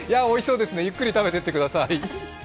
おいしそうですねゆっくり食べていってください。